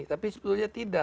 tapi sebetulnya tidak